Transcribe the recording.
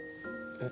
えっ？